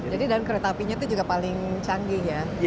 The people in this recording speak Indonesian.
jadi dan kereta apinya itu juga paling canggih ya